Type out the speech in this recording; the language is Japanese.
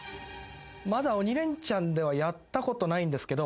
まだ『鬼レンチャン』ではやったことないんですけど。